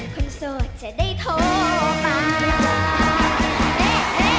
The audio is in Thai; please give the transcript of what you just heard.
โสดจะได้โทรมา